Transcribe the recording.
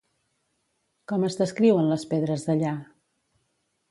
Com es descriuen les pedres d'allà?